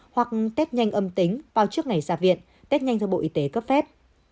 hoặc test nhanh âm tính vào trước ngày ra viện test nhanh do bộ y tế cấp phép